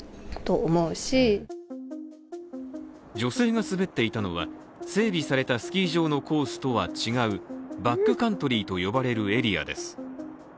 女性が滑っていたのは整備されたスキー場のコースとは違う、バックカントリーと呼ばれるエリアです。